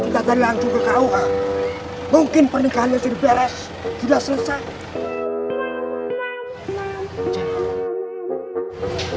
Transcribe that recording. kalau mungkin pernikahan sudah selesai